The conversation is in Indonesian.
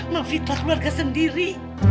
memfitah keluarga sendiri